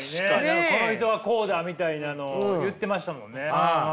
この人はこうだみたいなのを言ってましたもんね。